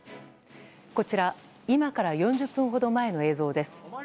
こちら今から４０分ほど前の映像です。